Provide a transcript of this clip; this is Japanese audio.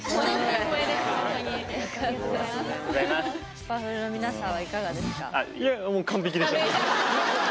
スパフルの皆さんはいかがですか？